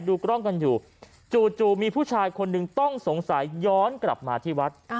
ดูกล้องกันอยู่จู่มีผู้ชายคนหนึ่งต้องสงสัยย้อนกลับมาที่วัด